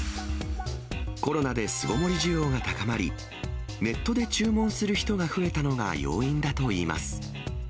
コロナで巣ごもり需要が高まり、ネットで注文する人が増えたのが要因だといいます。